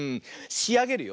しあげるよ。